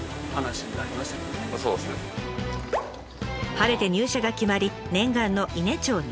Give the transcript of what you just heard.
晴れて入社が決まり念願の伊根町に移住。